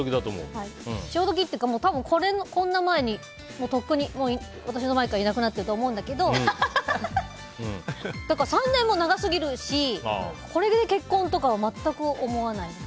潮時というか、こんな前にとっくに私の前からいなくなってると思うんだけど３年もって長すぎるしこれで結婚とかは全く思わない。